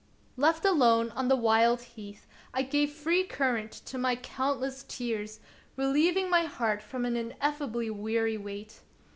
Left alone on the wild heath, I gave free current to my countless tears, relieving my heart from an ineffably weary weight.